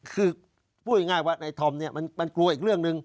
คือพูดง่ายเหรอว่าในธรรมนี้กลัวอีกเรื่องหนึ่ง